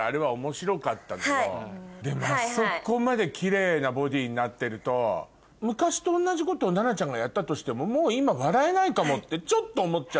でもあそこまでキレイなボディーになってると昔と同じことを奈々ちゃんがやったとしても。ってちょっと思っちゃった。